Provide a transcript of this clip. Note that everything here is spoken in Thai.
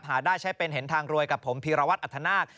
หาได้ใช้เป็นเห็นทางรวยกับผมพีรวัตรอัธนาค